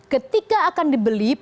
ketika akan dibeli